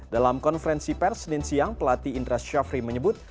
dalam konferensi pers dan siang pelatih indra shafri menyebut